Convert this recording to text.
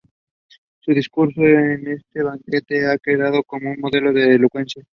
Su discurso en este banquete ha quedado como un modelo de elocuencia.